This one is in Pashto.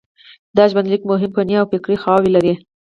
دا ژوندلیک مهمې فني او فکري خواوې لري.